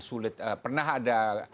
sulit pernah ada